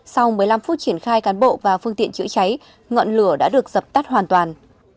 sau một mươi năm phút triển khai cán bộ và phương tiện chữa cháy ngọn lửa đã được dập tắt hoàn toàn